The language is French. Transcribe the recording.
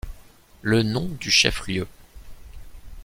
Le nom du chef-lieu.